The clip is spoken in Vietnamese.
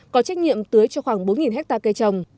có trách nhiệm tưới cho khoảng bốn hectare cây trồng